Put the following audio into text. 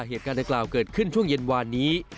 เหตุการณ์ดังกล่าวเกิดขึ้นช่วงเย็นวานนี้